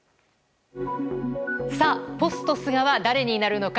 さあ、ポスト菅は誰になるのか。